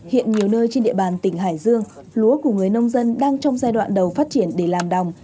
hiện nhiều nơi trên địa bàn tỉnh hải dương lúa của người nông dân đang trong giai đoạn đầu phát triển để làm đồng